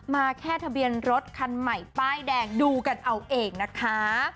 มาแค่ทะเบียนรถคันใหม่ป้ายแดงดูกันเอาเองนะคะ